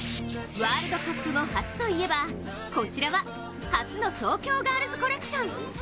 ワールドカップ後初といえばこちらは、初の東京ガールズコレクション。